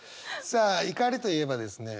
さあ怒りといえばですね